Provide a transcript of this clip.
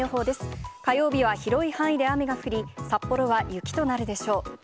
火曜日は広い範囲で雨が降り、札幌は雪となるでしょう。